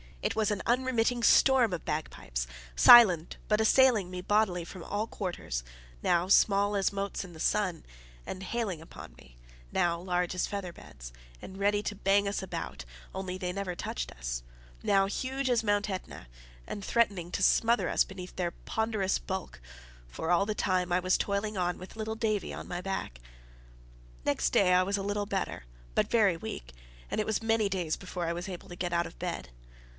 It was an unremitting storm of bagpipes silent, but assailing me bodily from all quarters now small as motes in the sun, and hailing upon me; now large as feather beds, and ready to bang us about, only they never touched us; now huge as Mount Ætna, and threatening to smother us beneath their ponderous bulk; for all the time I was toiling on with little Davie on my back. Next day I was a little better, but very weak, and it was many days before I was able to get out of bed.